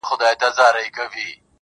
تر مخه ښې وروسته به هم تر ساعتو ولاړ وم,